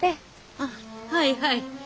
ああはいはい。